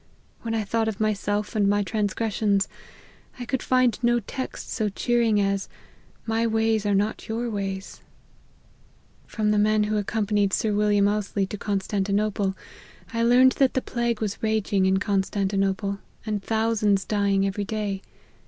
When I thought of myself and my transgressions, I could find no text so cheering as, 'My ways are not as your ways.' g 2 186 LIFE OF HENRY MARTYN. From the men who accompanied Sir William Ousely to Constantinople, I learned that the plague was raging at Constantinople, and thousands dying every day.